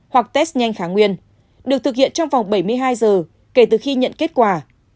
hoặc test nhanh kháng nguyên được thực hiện trong vòng bảy mươi hai giờ kể từ khi nhận kết quả